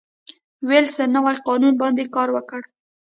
وېلسن نوي قانون باندې کار وکړ.